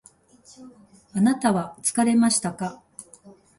あなたは疲れましたか？